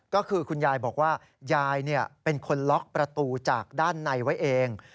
ก็คือคุณยายบอกว่ายายเป็นคนล็อกประตูจากด้านในไว้เอง